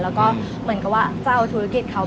แล้วก็เหมือนกับว่าเจ้าธุรกิจเขา